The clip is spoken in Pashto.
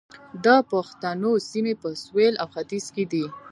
د پښتنو سیمې په سویل او ختیځ کې دي